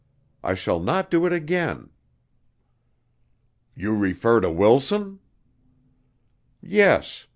I shall not do it again." "You refer to Wilson?" "Yes.